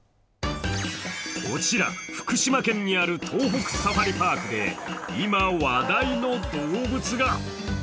こちら、福島県にある東北サファリパークで今、話題の動物が。